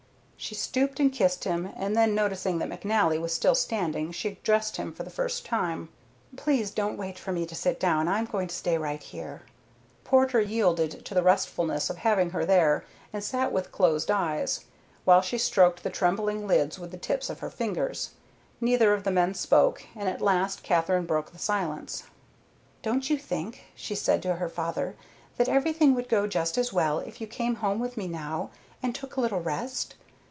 She stooped and kissed him, and then noticing that McNally was still standing she addressed him for the first time. "Please don't wait for me to sit down. I'm going to stay right here." Porter yielded to the restfulness of having her there and sat with closed eyes, while she stroked the trembling lids with the tips of her fingers. Neither of the men spoke, and at last Katherine broke the silence. "Don't you think," she said to her father, "that everything would go just as well if you came home with me now and took a little rest?